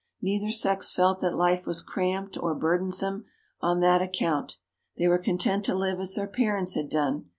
Neither sex felt that life was cramped or burdensome on that account. They were content to live as their parents had done.